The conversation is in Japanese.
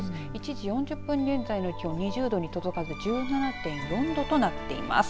１時４０分現在の気温２０度に届かず１７．４度となっています。